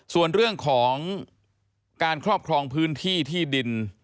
ส่วนเรื่องของการครอบครองพื้นที่ที่ดิน